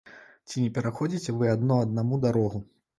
Ці не пераходзіце вы адно аднаму дарогу?